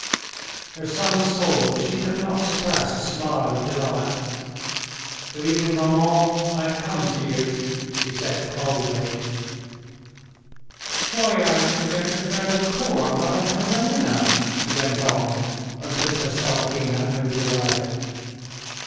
Her son saw that she could not suppress a smile of delight. "Good evening, maman. I have come to you," he said coldly. "Why aren't you going to faire la cour à Madame Karenina?" she went on, when Princess Sorokina had moved away.